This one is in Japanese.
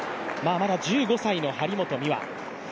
まだ１５歳の張本美和。